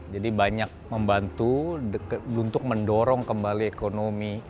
jadi banyak membantu untuk mendorong kembali ekonomi